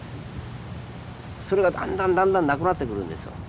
それがだんだんだんだんなくなってくるんですよ。